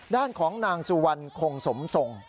ด้านของนางสุวรรณคงสมทรง